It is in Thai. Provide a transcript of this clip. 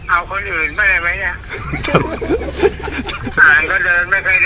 เอาคนอื่นมาเลยไหมเนี่ย